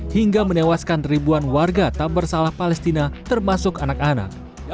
hingga menewaskan ribuan warga tak bersalah palestina termasuk anak anak